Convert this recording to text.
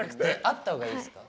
あった方がいいすか？